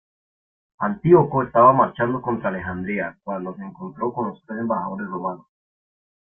Antíoco estaba marchando contra Alejandría, cuando se encontró con los tres embajadores romanos.